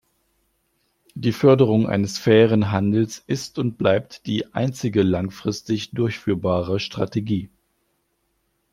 Die Förderung eines fairen Handels ist und bleibt die einzige langfristig durchführbare Strategie.